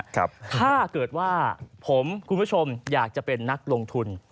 ถ้าเกิดว่าผมคุณผู้ชมอยากจะเป็นนักลงทุน